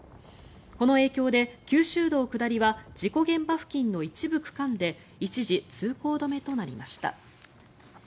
この影響で九州道下りは事故現場付近の一部区間で一時通行止めとなりました。